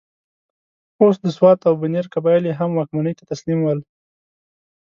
او د سوات او بنیر قبایل یې هم واکمنۍ ته تسلیم ول.